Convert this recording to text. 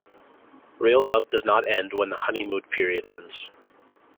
Real love does not end when the honeymoon period ends.